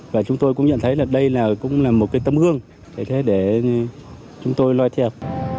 và chúng tôi cũng nhận thấy đây cũng là một cái tấm gương để chúng tôi loay theo